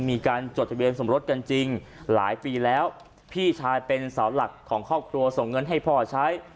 จดทะเบียนสมรสกันจริงหลายปีแล้วพี่ชายเป็นเสาหลักของครอบครัวส่งเงินให้พ่อใช้